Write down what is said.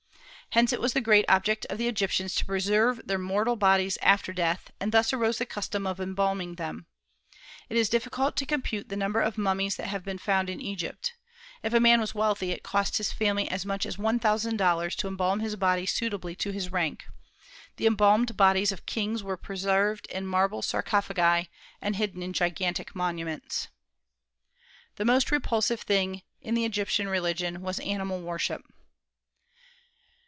Hence it was the great object of the Egyptians to preserve their mortal bodies after death, and thus arose the custom of embalming them. It is difficult to compute the number of mummies that have been found in Egypt. If a man was wealthy, it cost his family as much as one thousand dollars to embalm his body suitably to his rank. The embalmed bodies of kings were preserved in marble sarcophagi, and hidden in gigantic monuments. The most repulsive thing in the Egyptian religion was animal worship.